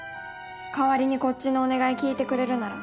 代わりにこっちのお願い聞いてくれるなら。